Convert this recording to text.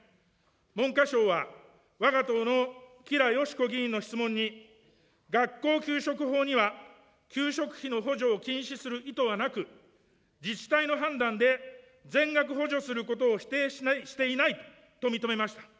文科省は、わが党の吉良よし子議員の質問に、学校給食法には給食費の補助を禁止する意図はなく、自治体の判断で全額補助することを否定していないと認めました。